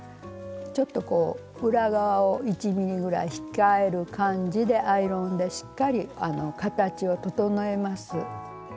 ちょっとこう裏側を１ｍｍぐらい控える感じでアイロンでしっかり形を整えます。